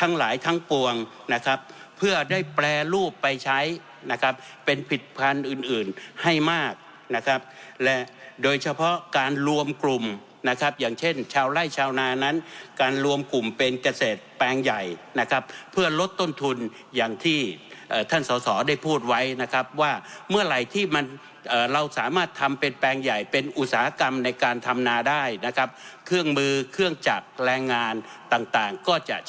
ทั้งหลายทั้งปวงนะครับเพื่อได้แปรรูปไปใช้นะครับเป็นผิดพันธุ์อื่นให้มากนะครับและโดยเฉพาะการรวมกลุ่มนะครับอย่างเช่นชาวไล่ชาวนานั้นการรวมกลุ่มเป็นเกษตรแปลงใหญ่นะครับเพื่อลดต้นทุนอย่างที่ท่านสาวได้พูดไว้นะครับว่าเมื่อไหร่ที่มันเราสามารถทำเป็นแปลงใหญ่เป็นอุตสาหกรรมในการทำนา